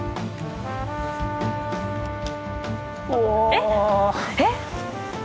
えっえっ？